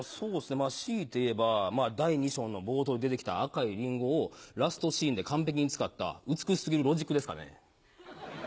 まぁ強いて言えば第２章の冒頭に出て来た赤いリンゴをラストシーンで完璧に使った美し過ぎるロジックですかね。